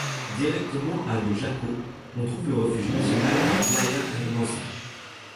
Directement à de Jacó, on trouve le refuge national de Playa Hermosa.